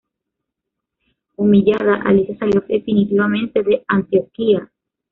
Humillada, Alicia salió definitivamente de Antioquía.